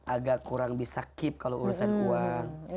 agak kurang bisa keep kalau urusan uang